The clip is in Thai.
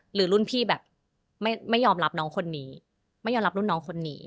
หรือรุ่นพี่แบบไม่ยอมรับน้องคนนี้ไม่ยอมรับรุ่นน้องคนนี้